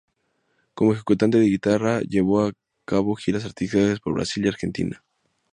Como ejecutante de guitarra, llevó a cabo giras artísticas por Brasil y Argentina.